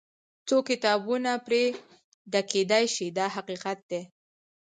څو کتابونه پرې ډکېدای شي دا حقیقت دی.